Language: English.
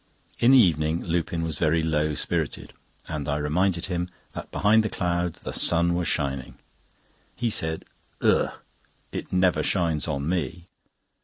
In the evening Lupin was very low spirited, and I reminded him that behind the clouds the sun was shining. He said: "Ugh! it never shines on me."